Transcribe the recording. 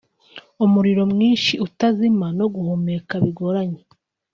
umuriro mwinshi utazima no guhumeka bigoranye